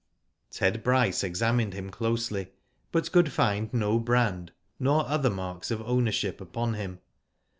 Ted Bryce examined him closely, but could find no brand, nor other marks of ownership, upon him.